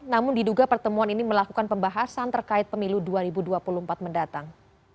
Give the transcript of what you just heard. namun diduga pertemuan ini melakukan pembahasan terkait pemilu dua ribu dua puluh empat mendatang